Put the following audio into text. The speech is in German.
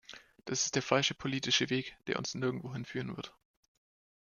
Das ist der falsche politische Weg, der uns nirgendwohin führen wird.